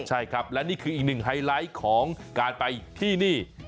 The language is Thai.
ใช่ครับและนี่คืออีกหนึ่งไฮไลท์ของการไปที่นี่